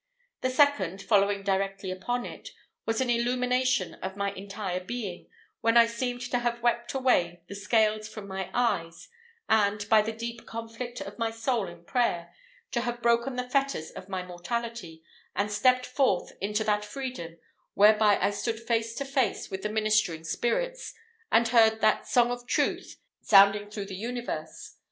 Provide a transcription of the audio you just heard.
The second, following directly upon it, was an illumination of my entire being, when I seemed to have wept away the scales from my eyes, and "by the deep conflict of my soul in prayer," to have broken the fetters of my mortality, and stepped forth into that freedom whereby I stood face to face with the ministering spirits, and heard that "Song of Truth" sounding through the universe.